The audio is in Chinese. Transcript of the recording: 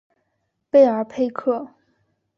贝尔佩克。